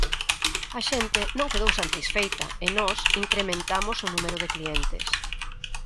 A xente non quedou satisfeita e nós incrementamos o número de clientes.